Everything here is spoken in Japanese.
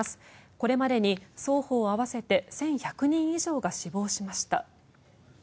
これまでに双方合わせて１１００人以上が死亡しました。